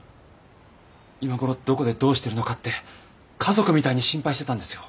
今頃どこでどうしてるのかって家族みたいに心配してたんですよ。